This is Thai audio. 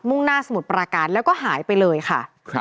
่งหน้าสมุทรปราการแล้วก็หายไปเลยค่ะ